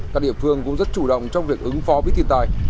các địa phương cũng rất chủ động trong việc ứng phó với thiên tai